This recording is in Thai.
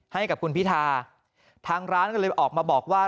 ให้กับคุณพิธาทางร้านก็เลยออกมาบอกว่า